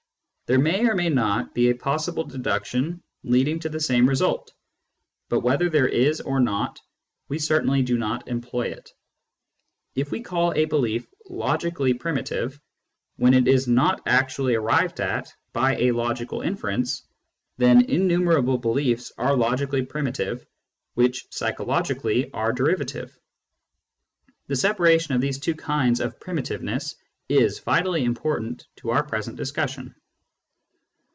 There may or may not be a possible deduction leading to the same result, but whether there is or not, we certainly do not employ it. If we call a belief " logically primitive " when it is not actually arrived at by a logical inference, then innumerable beliefs are logically primitive which psychologically are derivative. The separation of these two kinds of primitiveness is vitally important to our present discussion.